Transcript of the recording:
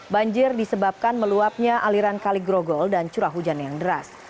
banjir disebabkan meluapnya aliran kali grogol dan curah hujan yang deras